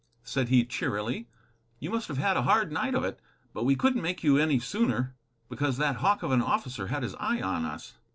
said he, cheerily. "You must have had a hard night of it. But we couldn't make you any sooner, because that hawk of an officer had his eye on us."